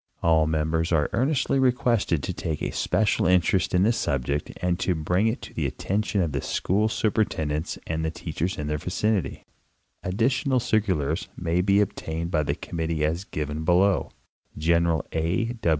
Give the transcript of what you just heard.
All members are earnestly requested to take a special interest in this subject and to bring it to the attention of the school superintendents and teachers in their vicinity. Additional cir culars may be obtained of the committee as given below. General A.